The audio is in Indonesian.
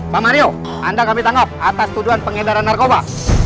pak mario anda kami tangkap atas tuduhan pengedaran narkoba